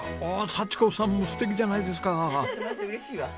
幸子さんも素敵じゃないですか！